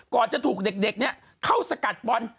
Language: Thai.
ก่อนจะถูกเด็กเข้าสกัดบอล